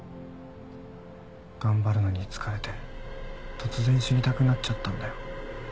頑張るのに疲れて突然死にたくなっちゃったんだよ。